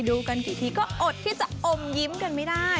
ดูกันกี่ทีก็อดที่จะอมยิ้มกันไม่ได้